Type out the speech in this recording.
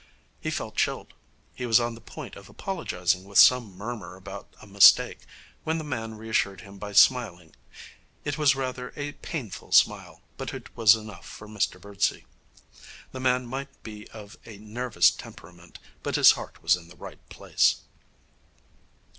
He felt chilled. He was on the point of apologizing with some murmur about a mistake, when the man reassured him by smiling. It was rather a painful smile, but it was enough for Mr Birdsey. This man might be of a nervous temperament, but his heart was in the right place.